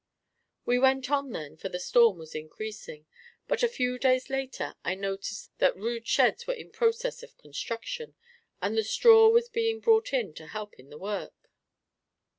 We went on, then, for the storm was increasing, but a few days after I noticed that rude sheds were in process of construction, and the straw was being brought in to help in the work.